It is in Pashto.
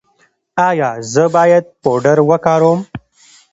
ایا زه باید پوډر وکاروم؟